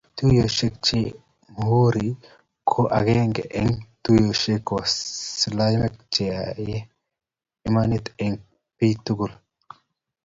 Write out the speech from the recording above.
Tuiyosiek cheu muhuri ko agenge eng tuiyetab waislamiek cheyaei imanit eng bik tuguk